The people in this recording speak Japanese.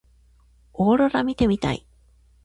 オーロラ見てみたい。